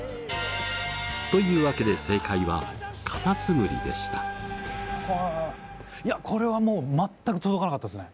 というわけでいやこれはもう全く届かなかったですね。